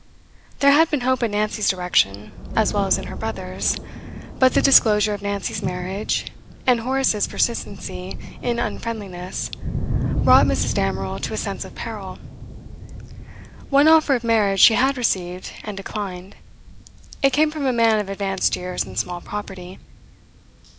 There had been hope in Nancy's direction, as well as in her brother's; but the disclosure of Nancy's marriage, and Horace's persistency in unfriendliness, brought Mrs. Damerel to a sense of peril. One offer of marriage she had received and declined; it came from a man of advanced years and small property.